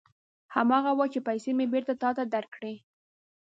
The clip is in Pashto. هماغه و چې پېسې مې بېرته تا ته درکړې.